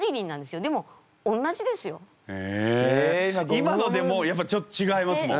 今のでもうやっぱちょっと違いますもん。